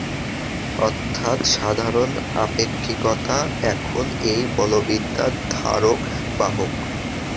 অর্থাৎ সাধারণ আপেক্ষিকতা এখন এই বলবিদ্যার ধারক-বাহক।